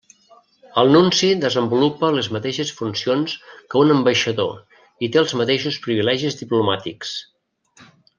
El nunci desenvolupa les mateixes funcions que un ambaixador i té els mateixos privilegis diplomàtics.